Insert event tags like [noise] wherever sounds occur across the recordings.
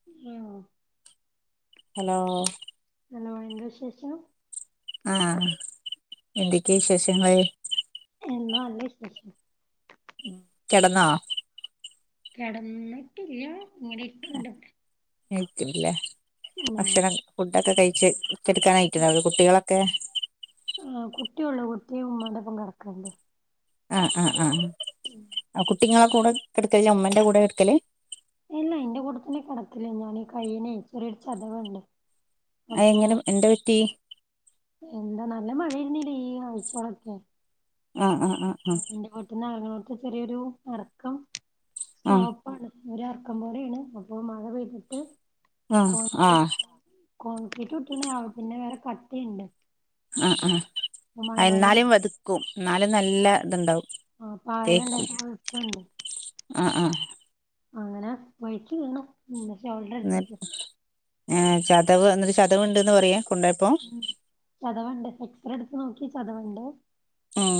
ഓ hello hello എന്ത വിശേഷം ആഹ് എന്തൊക്കെയാ വിശേഷങ്ങള് എന്താ നല്ല വിശേഷം കിടന്നോ കെടന്നിട്ടില്ല ഇങ്ങനെക്കെ ഉണ്ട് [unintelligible] ഭക്ഷണം ഫുഡൊക്കെ കഴിച്ച് കെട്ക്കാനായിക്കണത് കുട്ടികളൊക്കെ ആ കുട്ടി ഒള്ളു കുട്ടി ഉമ്മാൻ്റൊപ്പം കെടക്കണ്ട് ആഹ് ആഹ് ആഹ് ഉം ആ കുട്ടിങ്ങളെ കൂടെ എടുക്കല് അമ്മേന്റെ കൂടെ എടുക്കല് ഇല്ല ഇന്റെ കൂടത്തന്നെ കെടക്കല് ഇന്നോന് കയ്യ്നെ ചെറിയ ഒരു ചതവുണ്ട് ആ അപ്പൊ എങ്ങനെ എന്ത് പറ്റി എന്താ നല്ല മഴ [unintelligible] ഈ ആഴ്ചാളൊക്കെ ആഹ് ആഹ് ആഹ് ആഹ് പിന്നെ അയിനാത്ത് ചെറിയൊരു തർക്കം സ്മാ [unintelligible] പോലെയാണ് അപ്പൊ മഴ പെയ്തിട്ട് ആഹ് ആഹ് കോ- ആഹ് കോൺകീറ്റുട്ടീന് അത് പിന്നെ വേറെ കട്ടിണ്ട് ആ ആ എന്നാലും വതക്കും എന്നാലും നല്ല ത്ണ്ടാവും ആ പായല്ണ്ടായിട്ട് [unintelligible] ആ ആഹ് അങ്ങനെ വയിക്കി വീണു മ് പക്ഷെ അവ എന്ന് ഏ ചതവ് എന്നിട്ട് ചതവ്ണ്ട്ന്ന് പറയ കൊണ്ടോയപ്പോ ചതവൊണ്ട് എക്സറെ എടുത്ത് നോക്കി ചതവൊണ്ട് ഉം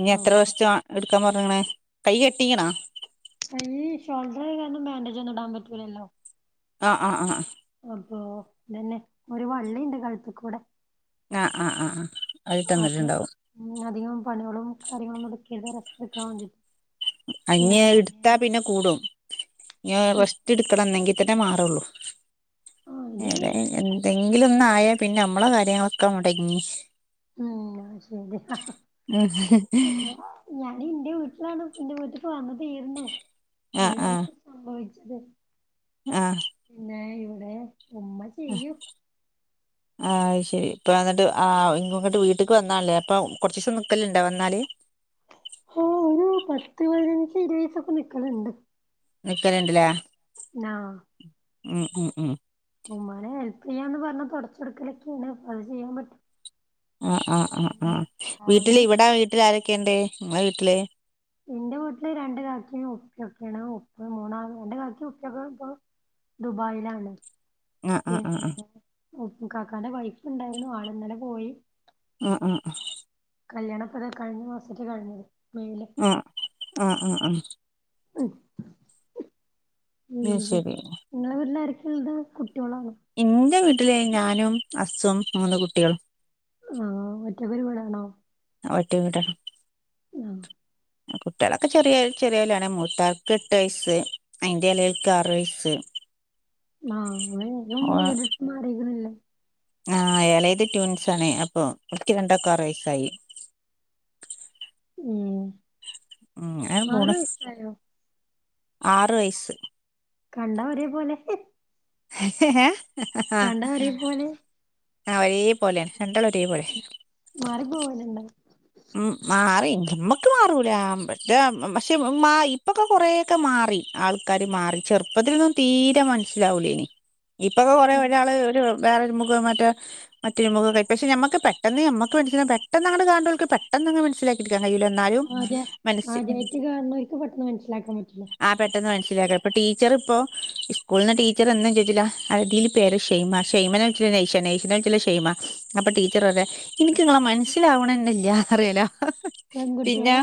ഇനിത്ര റെസ്‌റ്റ് എടുക്കാൻ പറഞ്ഞിക്കണേ കൈ കെട്ടിക്കണാ കൈയ്യ് ഷോൾഡറായി കാരണം ബാൻ്റേജൊന്നും ഇടാൻ പറ്റൂലല്ലോ ആഹ് ആഹ് ആഹ് [unintelligible] നന്നെ ഒരു വള്ളിണ്ട് കഴ്ത്തിക്കൂടെ ആഹ് ആഹ് ആഹ് ആഹ് ആയിട്ട് അത് എന്നിട്ട്ണ്ടാവും ഉം അധികം പണികളും കാര്യങ്ങളോന്നും ഒന്നും എടുക്കരുത് റെസ്റ്റെടുക്കാൻ വേണ്ടി [unintelligible] എടുത്താ പിന്നെ കൂടും ഞാ എട് റെസ്റ്റ്ടുക്കണം അന്നേങ്കി തന്നെ മാറുള്ളൂ ആ ഇത് ഏതെ എന്തെങ്കിലൊന്ന് ആയാ പിന്നെ ഞമ്മളെ കാര്യങ്ങളൊക്കെ മൊടങ്ങി ഉം ശരി ഉം പിന്നെ ഞാന് ന്റെ വീട്ടിലാണ് ന്റെ വീട്ടക്ക് വന്ന തീർന്നു ആഹ് അതിലാണ് ആഹ് സംഭവിച്ചത് ആഹ് പിന്നെ ഇവടെ ഉമ്മ ആ ചെയ്യും ആയ് ശരി പ്പന്നിട്ട് ആ ഇങ്ങട്ട് വീട്ടിക്ക് വന്നാണല്ലേ അപ്പം കൊറ്ച്ചീസം നിക്കലിണ്ടോ വന്നാല് ഹാ ഒരു പത്ത് പതിനഞ്ച് ഇരുവീസൊക്കെ നിക്കലിണ്ട് നിക്കല് [unintelligible] ആഹ് ഉം ഉം ഉം ഉമ്മാനെ ഹെൽപെയ്യാന്ന് പറഞ്ഞ തൊടച്ചൊടുക്കലൊക്കേണ് പ്പൊ അത് ചെയ്യാൻ പറ്റും ആഹ് ആഹ് ആഹ് പിന്നെ ആഹ് മോന് വീട്ടില് ഇവടെ വീട്ടില് ആരൊക്കെ ഒണ്ട് ഇങ്ങളെ വീട്ടില് എന്റെ വീട്ടില് രണ്ട് ദിവസേ [unintelligible] മൂന്ന് [unintelligible] ദുബായിലാണ് ആഹ് ആഹ് ആഹ് പിന്നെ ഉ കാക്കാന്റെ വൈഫുണ്ടായിരുന്നു ആള് ഇന്നലെ പോയി ആഹ് ആഹ് ആഹ്. കല്ല്യാണ ഇപ്പാതാ കഴിഞ്ഞ മാസേറ്റെ കഴിഞ്ഞത് മെയില് ആഹ് ആഹ് ആഹ്. ഉം ഉം ആഹ് പിന്നെ ശരി നിങ്ങളെ വീട്ടിൽ ആരക്കെള്ളത് കുട്ട്യോളാണ്? ഇന്റെ വീട്ടില് ഞാനും ഹസ്സും മൂന്ന് കുട്ടികളും. ആഹ് ഒറ്റക്ക് ഒരുവീടാണോ? ആ ഒറ്റ വീടാ ആഹ്. കുട്ടികളൊക്കെ ചെറിയ ചെറിയോലാണ് മൂത്താൾക്ക് എട്ട് വയസ്സ് അയിന്റെ എളേൽക്ക് ആറ് വയസ്സ് ആഹ് അതെ നീയും ഓ വീടിട്ത്ത് മാറിക്ക്ണ്ല്ലേ? ആ എളത് ട്യൂൻസ് ആണ് അപ്പൊ ഇവർക്ക് രണ്ടാൾക്കും ആറ് വയസ്സായി. ഉം. ഉം അങ്ങനെ ആറ് പോണ് വയസ്സായോ ആറ് വയസ്സ് കണ്ടാ ഒരേ പോലെ ഹേ [unintelligible] കണ്ടാ ഒരേ പോലെ? ആ ഒരേ പോലെയാണ് രണ്ടാളും ഒരേപൊലെ മാറി പോവല്ണ്ടാ? ഉം മാറി നമ്മക്ക് മാറൂല മറ്റേ പക്ഷേ ഇപ്പൊക്കെ കൊറെ. ക്കെ മാറി ആൾക്കാര് മാറി ചെറുപ്പത്തിലൊന്നും തീരെ മനസ്സിലാവൂലേനി ഇപ്പൊക്കെ കൊറെേ ഒരാള് ഒരു വേറെരു മുഖം മറ്റെ മറ്റരുമുഖം കയ് പക്ഷെഞമ്മക്ക് പെട്ടെന്ന് നമ്മക്ക് മനസ്സിലാവും പെട്ടെന്ന് അങ്ങട്ട് കാണുന്നോർക്ക് പെട്ടന്ന്ങ്ങ് മനസിലായി കാൻകയ്യുലന്നാ ആദ്യേ ആദ്യായ്ട്ട്കാണുന്നോർക്ക് പെട്ടെന്ന് മനസ്സിലാക്കാൻ പറ്റില്ല ആ പെട്ടെന്ന് മനസിലാക്ക ഇപ്പ ടീച്ചർ ഇപ്പോ സ്കൂള്ന്ന് ടീച്ചർന്നും ചോദിച്ചുല്ല ടീ പേര് ഷെയ്മ ഷെയ്മനെ വിളിച്ചല് നെയ്ഷ നെയ്ഷനെ വിളിച്ചല് ഷെയ്മ അപ്പൊ ടീച്ചർ പറയ ഇന്ക്ക് നിങ്ങളെ മനസ്സിലാവണെന്നെല്ല പറയലോ പിന്നെ പെൺകുട്ടികളെ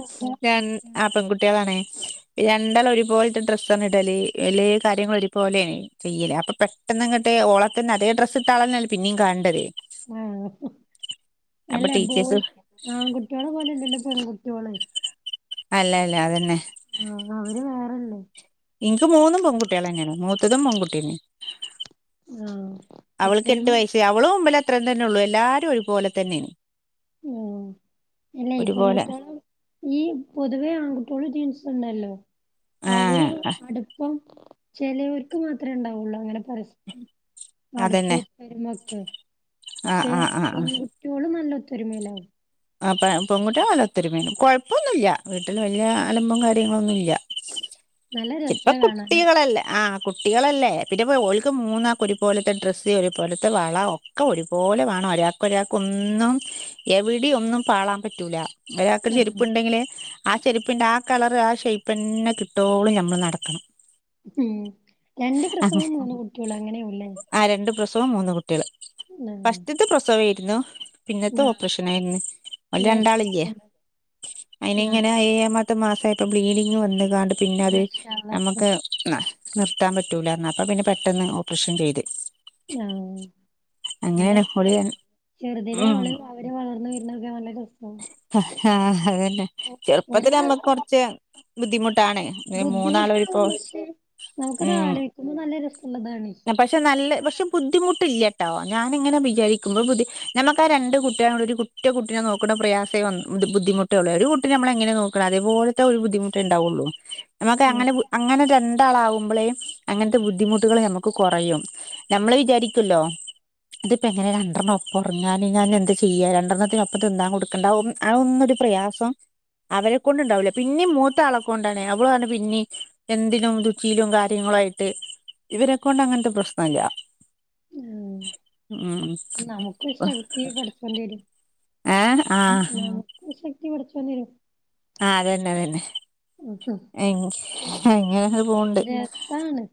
രണ്ട് ആ പെൺകുട്ടികളാണ് രണ്ടാളും ഒരുപോലത്തെ ഡ്രസ്സ്ണ് ഇടല് എല്ലേ കാര്യങ്ങളും ഒരുപോലെയണെയ് ചെയ്യല്ല് അപ്പൊ പെട്ടെന്ന് ഇങ്ങട്ട് ഓളെ തന്നെ അതേ ഡ്രസ് ഇട്ട അളന്നെ അല്ലെ പിന്നെയും കണ് ണ്ടത് ആഹ് അപ്പൊ അല്ലേ ടീച്ചേഴ്സ് ബോയി ആൺകുട്ടികളെ പോലെഅല്ലല്ലോ പെൺകുട്ടിഓള് അല്ല അല്ല അതന്നെ ആഹ് അവര് വേറെല്ലേ? ഇനിക്ക് മൂന്നും പെൺകുട്ടികളെന്നെണ് മൂത്തതും പെൺകുട്ടിന്നെ ആഹ് അവൾക്ക് ഒത്തൊരുമ എട്ട് വയസ്സ് അവള് ഇമ്പല അത്രേതന്നെ ഉള്ളൂ എല്ലാരും ഒരുപോലെ തന്നെയണ് ആഹ് അല്ലേ ഒരുപോലെ പെൺകുട്ടിആള് ഈ പൊതുവേ ആൺകുട്ടിക്കള് ജീൻസ് ഇട്ണ്ടല്ലോ അവര് ആഹ് അടുപ്പ പ്പം ചിലോർക്ക് മാത്രമേ ഉണ്ടാവുള്ളൂ അങ്ങനെ പരസ്പരം അടുപ്പം അതന്നെ ഒത്തൊരുമ ഒക്കെ ആഹ് പക്ഷെ ആഹ് ആഹ് ആഹ് പെൺകുട്ട്യോള് നല്ല ഒത്തൊരുമേലാവും. ആ പൊൺകുട്ടിള് നല്ലഒത്തരിമേണ് കുഴപ്പമൊന്നുല്ല വീട്ടിൽ വലിയ അലമ്പും കാര്യങ്ങളൊന്നും ഇല്ല നല്ല ഇപ്പ രസാ കാണാനൊക്കെ കുട്ടികളല്ലേ ആഹ് കുട്ടികളല്ലേ പിന്നെപ്പോ ഓൾക്ക് മൂന്നാക്കും ഒരുപൊലത്തെ ഡ്രസ്സ് ഒരുപൊലത്തെ വള ഒ ഒക്കെ ഒരുപോലെ വേണം ഒരാൾക്ക് ഒരാൾക്ക് ഒന്നും എവിടെ ഒന്നും പാളാൻ പറ്റൂല ഒരാൾക്ക് ആഹ് ഒര്ചെരുപ്പ് ഉണ്ടെങ്കില് ആ ചെരുപ്പിന്റെ ആ കളർ ആ സെയ്പ്പന്നെ കിട്ടോള ഞമ്മ നമ്മൾ നടക്കണം ഉം രണ്ട് പ്രസവും മൂന്ന് കുട്ടികളും അങ്ങനെ ആവുല്ലേ? ആഹ് രണ്ട് പ്രസവം മൂന്ന് കുട്ടികള് ആഹ് ഫസ്റ്റ്ത്ത് പ്രസവം യെര്ന്നു. പിന്നത്തെ ആഹ് ഓപ്പറേഷൻ ആയിർന്നു ഓല് നേരത്തെ രണ്ടാളില്ലേ കുട്ടിയോള് ആഹ് അയിനിങ്ങനെ ഏയമ പത്ത് മാസമായപ്പോ ബ്ലീഡിങ് വന്ന്കാണ്ട് പിന്നെ അത് മാഷാ അല്ലാഹ് നമുക്ക് ആ നിർത്താൻ പറ്റൂല ന്ന അപ്പ പിന്നെ പെട്ടെന്ന് ഓപ്പറേഷൻ ചെയ്ത് ആഹ്‌ അങ്ങനെണ് പോളിയാണ് ചെറുതിലെ ആള് അവര് വളർന്ന് വര്ന്നതൊക്കെ കാണാൻ നല്ല രസാണ് ആഹ് അതന്നെ ചെറുപ്പത്തില് ഒരാൾ അമ്മക്കൊർച്ച് ബുദ്ധിമുട്ടാണ് മൂന്നാളൊരിപ്പോ ബുദ്ധിമുട്ടാവും പക്ഷെ ഉം നമുക്കതാലോയ്ക്കുമ്പോ നല്ല രസള്ളതാണെ ല് പക്ഷേ ബുദ്ധിമുട്ടില്ലട്ടോ ഞാനിങ്ങനെ വിചാരിക്കും ഇങ്ങള് ബുദ്ധി ഞമ്മക്ക ആ രണ്ട് കുട്ടിയാള് ഒരുകുട്ടി ഒറ്റ കുട്ടിനെ നോക്ക്ണ്ട പ്രയാസേ വന്ന് ട്ടൊള്ളു ബുദ്ധിമുടട്ടെള്ളൂ ഒരു കുട്ടിനെ ഞമ്മള് എങ്ങനെ നോക്കണ് അദേ പോലെ ണരു ബുദ്ധിമുട്ടേ ണ്ടാവുള്ളു ഞമ്മക്ക് അങ്ങനെ ആഹ് അങ്ങനെ രണ്ടാളാവുമ്പോളേ അങ്ങൻത്ത ബുദ്ധിമുട്ടുകള് ഞമ്മക്ക് കോറയും ഞമ്മള് വിചാരിക്കല്ലോ ഇതിപ്പോ എങ്ങന രണ്ട്രണ്ണം ഒപ്പം ഒറങ്ങാന് ഞാല് എന്ത ചെയ്യാ രണ്ട്രണ്ണത്തിനൊപ്പം തിന്നാന് കൊടുക്കണ്ടെ ആ ഒന്ന് ആ ഒന്നൊരു പ്രയാസം അവരെ കൊണ്ടുണ്ടാവൂല്ല പിന്നിം മൂതാള കൊണ്ടാണ് അവള് അങ്ങന പിന്നിം എന്തിനും തുച്ചീലും കാര്യങ്ങളയിട്ട് ഇവരെക്കൊണ്ട് അങ്ങൻത്ത പ്രശ്നല്ല ആ ഉം നമുക്ക് ശ്രങ്‌ത്തിൽ പഠചോൻ തരും ഏഹ് ആഹ് നമുക്കൊരു ശക്തി പടച്ചോൻ തരും ആ അതന്നെ അതന്നെ ഇൻ ഇങ്ങനെ പോഹ്ണ്ട് രസാണ്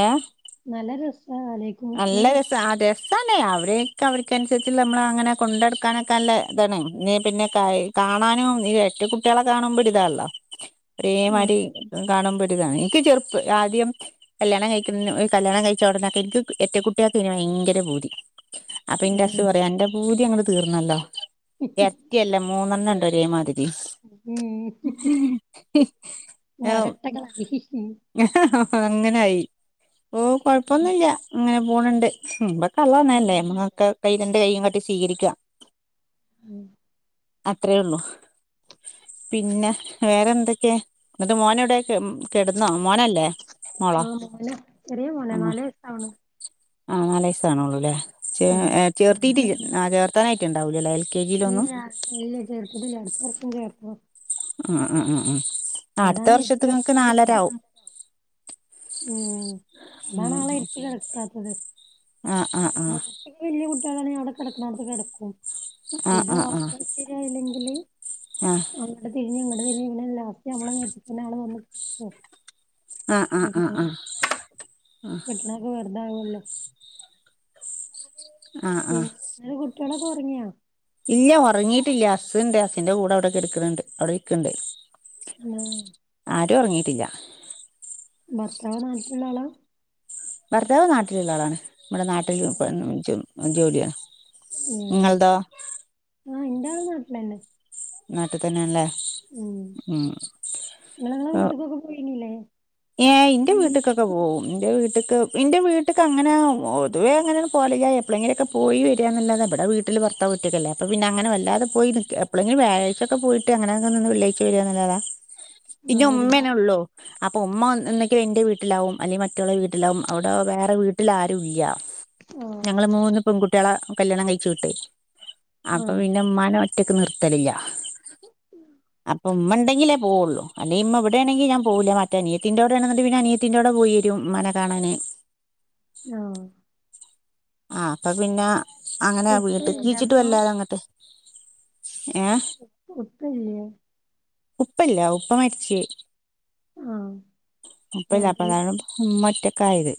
ഏഹ് നല്ലരസണലോയ് നല്ല രസ അതെ തണേ അവരെയ്ക്ക അവർക്കൻസരിച്ച്ള്ള ഞമ്മള അങ്ങനെ കൊണ്ടടക്കാനൊക്കെ നല്ലതാണ് നീ പിന്നെക്കായെ കാണാനും ഇ എര്റ്റകുട്ട്യാളെ കാണുമ്പോ ഒരു താണല്ലോ ഒരെ മാതിരി ആഹ് കാണുമ്പോരുതാണ് എനിക്ക് ചെറുപ്പ് ആദ്യം കല്യാണം കഴിക്കുന്ന കല്യാണം കഴിച്ച ഒടനൊക്കെ എൻക്ക് എര്റ്റക്കുട്ട്യാൾക്കയ്നി ഭയങ്കര പൂതി അപ്പന്റെ ഹസ്സ് ആഹ് പറയും അന്റെ പൂതിഅങ്ങട്ട് തീർന്നല്ലോ [inaudible] ട്ട്യല്ല മൂന്നെണ്ണണ്ട് ഒരേമാതിരി ഉം [unintelligible] അഹ് മൊരട്ടകളായി ഉം അങ്ങനയി ഓഹ് കൊഴപ്പൊന്നുല്ല അങ്ങനെ പോണ്ണ്ട് അള്ളന്നല്ലേ ഉം ഇങ്ങക്ക് കയ്യ് രണ്ട് കയ്യും കാട്ടി സ്വീകരിക ഉം അത്രേള്ളൂ പിന്നെ വേറെന്തൊക്കെ ന്നിട്ട് മോനവിടെ കെട്ന്നോ മോനല്ലേ മോളോ ആഹ് മോന എറിയ മോന നാല് വയസ്സാവ്ണോള്ളു ആ നാല് വയസാണള്ളൂല്ലേ ച്ചേ ആഹ് അതാണ് ചേർത്തീട്ടില്ലേ ചേർത്താനായിട്ട്ണ്ടാവൊള്ളുലെ ഇല്ല ഇല്ല ചേർത്തിട്ടില്ല അടുത്ത വർഷം ചേർതൊള്ളു ഉം ഉം ഉം ഉം അടുത്ത അതാണ് എട്ട് വർഷത്ത്ങ്ങക്ക് കണക്കായത് നാലരാവും ഉം ഉം അതാണാള് വിര്പ്പിൽ കെട്ക്കാത്തത് ആ ആ ആ പിന്നെ കുറച്ചൊ വല്ല്യ കുട്ട്യാളാണങ്കില് അവിടെ കിടക്കണോട്ത്ത് കിടക്കും ആ ഇത് ആ ആ ഒർക്കം ശെരിയായില്ലെങ്കില്, ആ അങ്ങട്ട് തിരിഞ്ഞ് ഇങ്ങട്ട് തിരിഞ്ഞ് പിന്നെ ലാസ്റ്റ് ഞമ്മളെ മേത്തന്നെ വന്ന് കേട്ക്കും ആഹ് ആഹ് ആഹ് ആഹ ആഹ് വിരിക്കാണത്തൊക്കെ വെർതവല്ലോ ആഹ് ആഹ് മം അന്റെ കുട്ട്യാളൊക്കെ ഒർങ്ങ്യ ഇല്ല ഒറങ്ങിയിട്ടില്ല അസ്ണ്ട് അസിന്റെ കൂടെ അവിടെ കിടക്ക്ണ് ണ്ട് അവിടെ ഇക്ക്ണ്ട് അലോ ആരുഒർങ്ങീട്ടില്ല ഭർത്താവ് നാട്ടിലുള്ള ആളാ ഭർത്താവ് നാട്ടിലുള്ള ആളാണ് വടെ നാട്ടിൽ ജോലിയാ ഉം നിങ്ങൾതോ ആഹ് ഇന്റാളും നാട്ട്ലെന്നെ നാട്ടിൽ തന്നെയാണല്ലേ ഉം ഉം ഇങ്ങള് ങ്ങളെ വീട്ട്ക്കൊക്കേ പോയിനില്ലേ! ഏഹ് എന്റെ വീട്ടിക്കൊക്കെ പോവും എന്റെ വീട്ടിക്ക് എന്റെ വീ വീട്ട്ക്ക് അങ്ങനെ പൊതുവെ അങ്ങനെ പോവലില്ല എപ്ളേങ്കില് ഒക്കെ പോയിവര എന്നല്ലാതെ ഇവ്ടെ വീട്ടിൽ വെർ അടുത്ത വീട്ടിക്ക് അല്ലേ അപ്പം പിന്ന അങ്ങനെ വല്ലതെ പോയി നിക്ക് എപ്പോളെങ്കിലും വ്യാഴാഴിച്ച ഒക്കെ പോയിട്ട് അങ്ങനെ നിന്ന് വെള്ളിയാഴ്ച വരികാന്ന് അല്ലാതെ പിന്നെ ആഹ് ഉമ്മേന്നെ ഒരുപാട് ഉള്ളൂ അപ്പൊ ഉമ്മ ഒന്നെങ്കി എന്റെ വീട്ടിലാവും അല്ലെങ്കി മറ്റോളെ വീട്ടിലാവും അവിടെ വേറെ വീട്ടിൽ ആരും ഇല്ല ആഹ് ഞങ്ങള് മൂന്ന് പെൺകുട്ടികളെ കല്യാണം കഴിച്ചു വിട്ട് അപ്പൊ ആഹ് പിന്നെ ഇമ്മാനെ ഒറ്റക്ക് നിർത്തലില്‌യാ അപ്പൊ ഉമ്മ ഉണ്ടെങ്കിലേ പോവുള്ളു അല്ലെങ്കി ഇമ്മ ഇവിടെ ആണെങ്കി ഞാൻ പോവില്ല മറ്റേ അനിയത്തീന്റെ കൂടെയാണെന്നുണ്ടെങ്കി പിന്നെ അനിയത്തീന്റെ അവിടെ പോയി വരും ഉമ്മാനെ കാണാന് ആഹ് ആഹ് അപ്പം പിന്നെ അങ്ങനെ വീട്ട് ഉപ്പയില്ലേ കീച്ചിട്ട് അപ്പൊ വല്ലാത് അങ്ങട്ട് ഏഹ് ഉപ്പൂത്തില്ല്യേ ഉപ്പ ഇല്ല ഉപ്പ മരിച്ച് ആഹ് ഉപ്പയില്ല അപ്പൊ ചെറുതിലേ അതാണ് ഉമ്മ ഒറ്റക്ക് ആയത്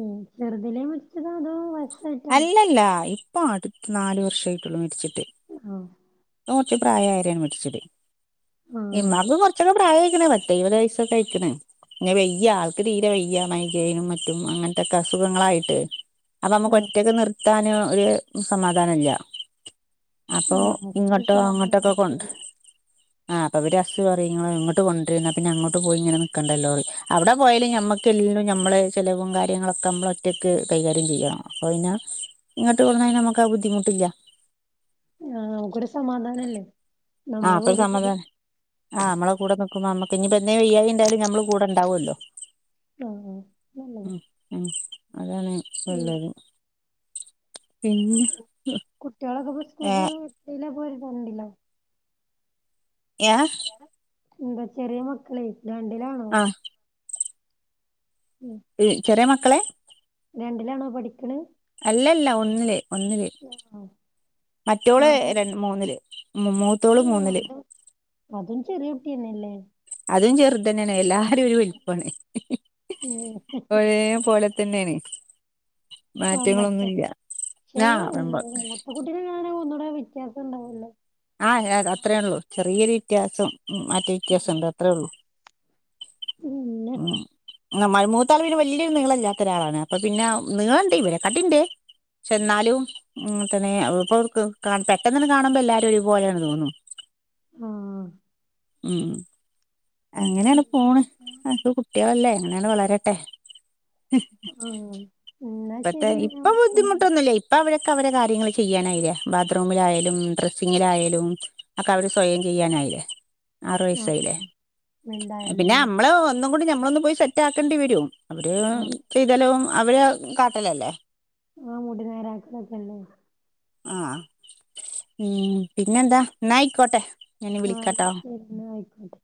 ഉം ചെറുതിലേ മരിച്ചതാ അതോ വയ അല്ലല്ല ഇപ്പം അടുത്ത് നാലു വർഷമായിട്ടുള്ളൂ മരിച്ചിട്ട് ആഹ് ഉപ്പ കൊറച്ച് പ്രായം ആയിട്ടാണ് മരിച്ചത് ആഹ് ഇമ്മാക്ക് കുറച്ചൂടെ പ്രായമായിക്കണ് പത്ത് എഴുപത് വയസ് ഫുഡ് കഴിച്ച്ണ് പിന്നേ ആൾക്ക് വയ്യ ആൾക്ക് തീരെ വയ്യ മൈഗ്രേനും മറ്റും അങ്ങനത്തൊക്കെ അസുഖങ്ങളായിട്ട് അപ്പൊ നമ്മക്ക് ആഹ് ഒറ്റക്ക് നിർത്താന് ഒരു സമാധാനല്ല അപ്പൊ നമുക്കൊരു ഇങ്ങോട്ടോ സമാധാനം അങ്ങോട്ടൊക്കെ കൊണ്ട് ഉണ്ടാവില്ലല്ലോ ആഹ് അപ്പൊ പിന്നേ ഹസ് പറയും ഇങ്ങ ഇങ്ങോട്ട് കൊണ്ടിരുന്നാ പിന്നെ അങ്ങോട്ട് പോയി ഇങ്ങനെ നിക്കണ്ടല്ലോ പറയും അവിടെ പോയാലേ ഞമ്മ എല്ലേലും നമ്മള് ചെലവും കാര്യങ്ങളൊക്കെ നമ്മള് ഒറ്റക്ക് കൈകാര്യം ചെയ്യണം. അപ്പൊ പിന്നേ ഇങ്ങട്ട് കൊണ്ട് വന്നാ നമുക്ക് ആ ബുദ്ധിമുട്ടില്ല ആഹ് നമക്കൊരു സമാധാനല്ലേ ആഹ് നമ്മളെ അപ്പളേ വീടും നമ്മക്ക് കൂടി സമാധാനം ആ നമ്മളെ കൂടെ നിക്കുമ്പം നമ്മക്ക് ഇനിയിപ്പം എന്തേലും വയ്യായിക ഉണ്ടായാലും നമ്മൾ കൂടെ ഉണ്ടാവുല്ലോ ആഹ് ഉം നല്ലതാ ഉം അതാണ് നല്ലത് പിന്നെ കുട്ടികളൊക്കെ ഇപ്പം ഏ സ്കൂൾക്ക് എയ്ലാ പോവല് വണ്ടിലോ ഏഹ് എന്താ ചെറിയ മക്കളെ രണ്ടിലാണോ ആ ഉം ഈ ചെറിയ മക്കളെ രണ്ടിലാണോ പഠിക്കണെ അല്ലല്ല ഒന്നില് ഒന്നില് ഒന്നോ മറ്റോള് ര മൂന്നില് മൂത്തോള് ആഹ് മൂന്നില് അതും അതും ചെറിയ കുട്ടിയെന്നെല്ലേ അതും ചെറുത് തന്നെയാണ് എല്ലാ എല്ലാരും ഒരു വലിപ്പാണ് ഉം ഒരേ പോലെ തന്നെയാണ് കൗമാരത്തില് മാറ്റങ്ങളൊന്നുമില്ല പക്ഷെ ആ വെമ്പ മൂത്ത കുട്ടിക്കാണെ ഒന്നൂടെ വ്യത്യാസം ഉണ്ടാവല്ലോ ആഹ് അങ്ങയെഅത്രേ ഉള്ളു ചെറിയെരു വിറ്റ്യാസം മറ്റെ വിറ്റ്യാസം ഉണ്ട് അത്രേ ഉള്ളു ഉം ഉം മായി മൂത്താള് പിന്നെ വല്യോരു നീളല്ലാത്തൊരാളാണ് അപ്പൊ പിന്നെ നീളണ്ട്‌ ഇവരെക്കാട്ടിണ്ട് ക്ഷെന്നാലും ഉം തന്നെ ഇപ്പ പെട്ടെന്നണ് കാണുമ്പോ എല്ലാരും ഒരു പോലാണ് തോന്നും ആഹ് ഉം അങ്ങനേണ് പോണ് അൻത്തെ കുട്ട്യാളല്ലേ അങ്ങനേ വളരട്ടെ ഉം ഇപ്പത്തെയ് പ്പൊ ബുദ്ധിമുട്ടൊന്നുല്ലേയ് പ്പവരൊക്ക അവരെ കാര്യങ്ങള് ചെയ്യാനായീലേ, ബാത്റൂമിലായാലും ഡ്രസ്സിങ്ങിലായാലും അക്കെ അവര് സ്വയം ചെയ്യാനായില്ലേ ആറു ആഹ് വയസായില്ലേ മിണ്ടായല്ലോല്ലേ പിന്നമ്മള് ന്നും കൂടി ഞമ്മളൊന്ന് പോയി സെറ്റ് ആക്കണ്ടി വരും അവര് ആഹ് ചെയ്താലും അവരെ കാട്ടലല്ലേ ആഹ് മുടി നേരാക്കലൊക്ക്ണ്ട് ആഹ് ഉം പിന്നെന്താ ന്നായിക്കോട്ടെ ആഹ് ന്നാ ശരിന്നാ ആയിക്കോട്ടെ